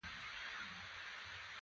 په کې تت څراغونه بل کړل شوي دي.